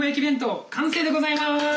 弁当完成でございます！